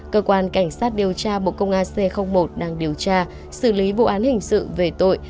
cơ quan cảnh sát điều tra bộ công an c một đang điều tra xử lý vụ án hình sự về tội